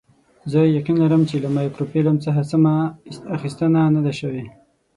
زه یقین لرم چې له مایکروفیلم څخه سمه اخیستنه نه ده شوې.